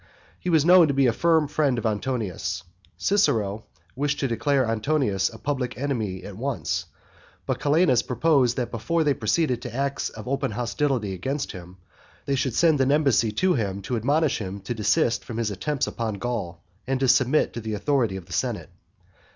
He was known to be a firm friend of Antonius. Cicero wished to declare Antonius a public enemy at once, but Calenus proposed that before they proceeded to acts of open hostility against him, they should send an embassy to him to admonish him to desist from his attempts upon Gaul, and to submit to the authority of the senate.